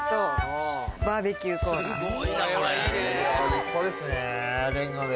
立派ですねレンガで。